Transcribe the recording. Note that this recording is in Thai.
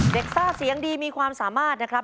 ซ่าเสียงดีมีความสามารถนะครับ